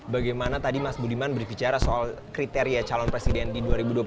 bagaimana tadi mas budiman berbicara soal kriteria calon presiden di dua ribu dua puluh empat